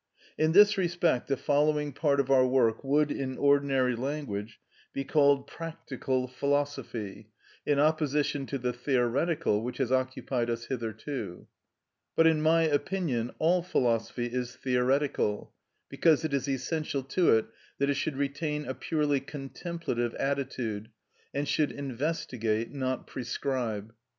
In this respect the following part of our work would, in ordinary language, be called practical philosophy, in opposition to the theoretical, which has occupied us hitherto. But, in my opinion, all philosophy is theoretical, because it is essential to it that it should retain a purely contemplative attitude, and should investigate, not prescribe.